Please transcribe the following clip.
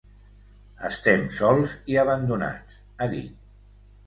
Estem sols i abandonats, ha dit.